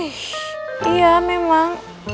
heish iya memang